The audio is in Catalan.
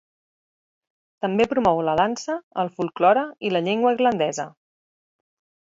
També promou la dansa, el folklore i la llengua irlandesa.